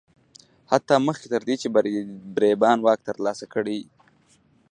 حتی مخکې تر دې چې بربریان واک ترلاسه کړي